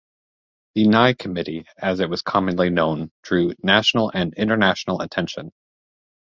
The Nye Committee as it was commonly known, drew national and international attention.